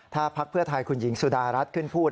ถ้าพักเพื่อไทยคุณหญิงสุดารัฐขึ้นพูด